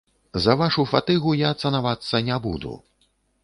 За вашу фатыгу я цанавацца не буду!